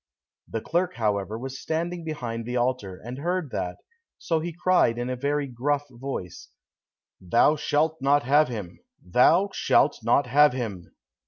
The clerk, however, was standing behind the altar and heard that, so he cried in a very gruff voice, "Thou shalt not have him! Thou shalt not have him!"